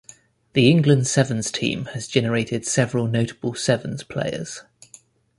The England Sevens team has generated several notable sevens players.